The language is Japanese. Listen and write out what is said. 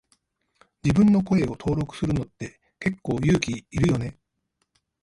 自分の声を登録するのって結構勇気いるよね。